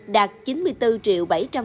đạt hơn một mươi hai lần so với năm hai nghìn bốn